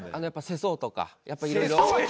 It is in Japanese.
世相とかいろいろ。